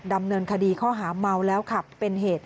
ดำเนินคดีข้อหาเมาแล้วขับเป็นเหตุ